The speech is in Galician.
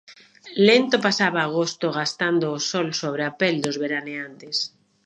Lento pasaba agosto gastando o sol sobre a pel dos veraneantes.